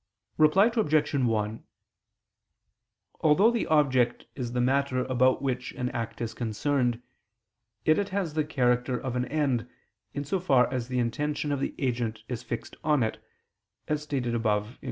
Reply Obj. 1: Although the object is the matter about which an act is concerned, yet it has the character of an end, in so far as the intention of the agent is fixed on it, as stated above (Q.